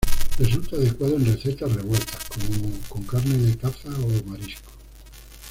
Resulta adecuados en recetas revueltas, como con carne de caza o marisco.